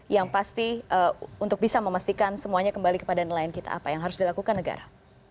yang pasti untuk bisa memastikan semuanya kembali kepada nelayan kita apa yang harus dilakukan negara